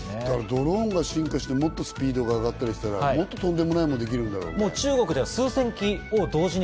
ドローンが進化してもっとスピードが上がったりしたら、もっととんでもないのができるんだろうね。